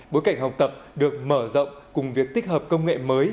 bối cảnh học tập được mở rộng cùng việc tích hợp công nghệ mới